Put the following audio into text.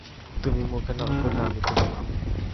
তুমি মুখ না খুললে, আমিও খুলব না।